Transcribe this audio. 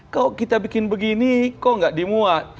kalau kita bikin begini kok nggak dimuat